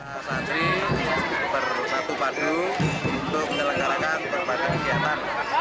sang santri bersatu padu untuk melengkarakan berbagai kegiatan